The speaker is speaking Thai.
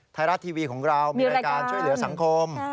ไทยรัฐทีวีของเรามีรายการช่วยเหลือสังคม